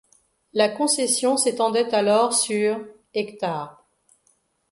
La concession s'étendait alors sur hectares.